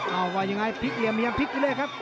เอ้าว่ายังไงพลิกยังพลิกอยู่เลยครับ